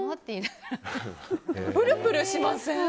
プルプルしません？